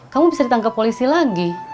kamu bisa ditangkap polisi lagi